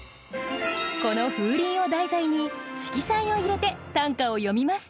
この風鈴を題材に色彩を入れて短歌を詠みます。